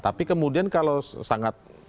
tapi kemudian kalau sangat